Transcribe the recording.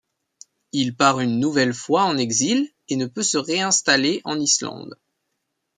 Il part une nouvelle fois en exil et ne peut se réinstaller en Islande.